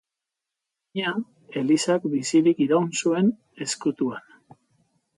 Alabaina, elizak bizirik iraun zuen ezkutuan.